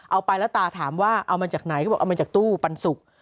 เอาไปแล้วตาถามว่าเอามาจากไหนก็บอกเอามาจากตู้ปันสุก